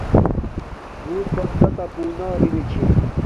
بُݸت بندَن تَپݸ نݳ رنݵݣݺ چھݺ.